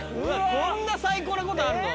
こんな最高なことあんの？